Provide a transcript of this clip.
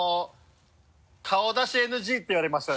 顔出しＮＧって言われました。